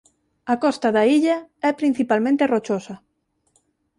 A costa da illa é principalmente rochosa.